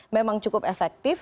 memang cukup efektif